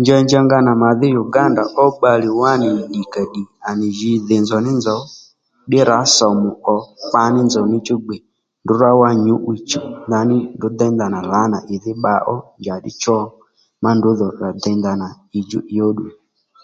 Njanja nga nà màdhí Uganda ó bbalè wá nì nì ddìkàddì à nì jǐ dhì nzòw ní nzòw ddí rǎ sòmù ò kpa nì nzòw ní chú gbè ndrǔ rǎ wá nyǔ'wiy chùw ndaní ndrǔ déy ndanà lǎnà ì dhí bba ó njàddí cho ma ndrǔ dho rà dey ndanà ì djú ì ó ddùw nì